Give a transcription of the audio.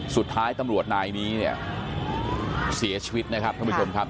สุดท้ายตำรวจนายนี้เนี่ยเสียชีวิตนะครับท่านผู้ชมครับ